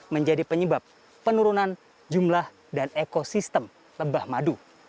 menjadi penyebab penurunan jumlah dan ekosistem lebah madu